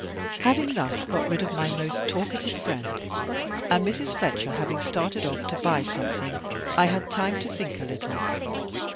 Having thus got rid of my most talkative friend, and Mrs. Fletcher having started off to buy something, I had time to think a little.